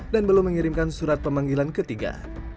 dan belum mengirimkan surat pemanggilan ketiga